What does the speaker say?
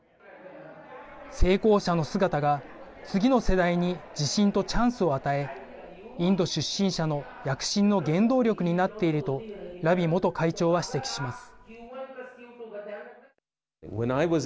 成功者の姿が次の世代に自信とチャンスを与えインド出身者の躍進の原動力になっているとラビ元会長は指摘します。